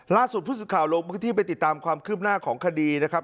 ล่าสุดพฤติข่าวโลกพฤติไปติดตามความคืบหน้าของคดีนะครับ